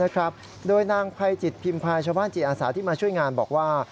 โดยนางภัยจิตพิมพายชาวบ้านจิตอาสาที่มาช่วยงานบอกว่า